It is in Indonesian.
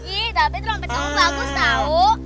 ih tapi trompet kamu bagus tau